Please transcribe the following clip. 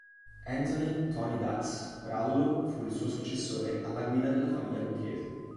Anthony “Tony Ducks” Corallo fu il suo successore alla guida della famiglia Lucchese.